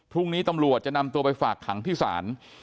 พรุ่งนี้ตำรวจจะนำตัวไปฝากขังที่ศาล